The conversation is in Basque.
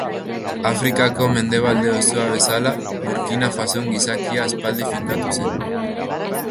Afrikako mendebalde osoa bezala, Burkina Fason gizakia aspaldi finkatu zen.